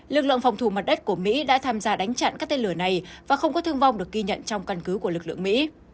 lực lượng phòng thủ mặt đất của mỹ đã tham gia đánh chặn các tên lửa này và không có thương vong được ghi nhận trong căn cứ của lực lượng mỹ